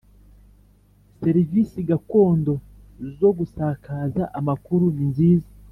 serivisi gakondo zo gusakaza amakuru ni nziza